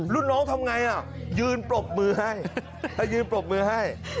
ให้ยืมปรบมือให้